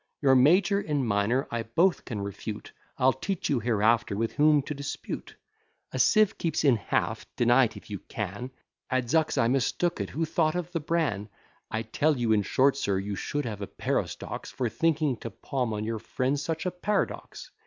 Your major and minor I both can refute, I'll teach you hereafter with whom to dispute. A sieve keeps in half, deny't if you can. D. "Adzucks, I mistook it, who thought of the bran?" I tell you in short, sir, you should have a pair o' stocks For thinking to palm on your friend such a paradox.